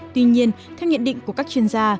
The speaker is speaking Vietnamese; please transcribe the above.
tuy nhiên theo nhận định của các chuyên gia